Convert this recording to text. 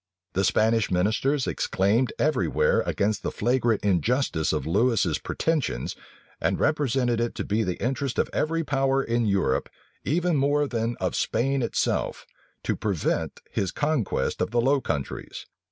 The Spanish ministers exclaimed every where against the flagrant injustice of Lewis's pretensions, and represented it to be the interest of every power in Europe, even more than of Spain itself, to prevent his conquest of the Low Countries.